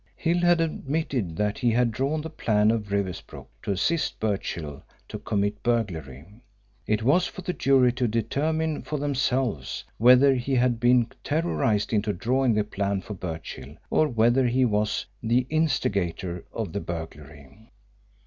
Hill had admitted that he had drawn the plan of Riversbrook to assist Birchill to commit burglary. It was for the jury to determine for themselves whether he had been terrorised into drawing the plan for Birchill or whether he was the instigator of the burglary.